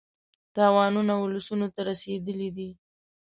تاوانونه اولسونو ته رسېدلي دي.